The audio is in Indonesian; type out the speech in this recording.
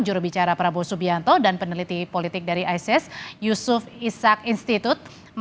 jurubicara prabowo subianto dan peneliti politik dari isis yusuf ishak institute